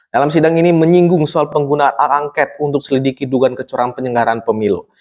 dalam sidang ini menyinggung soal pengguna aangket untuk selidiki duga kecurangan penyelenggaraan pemilu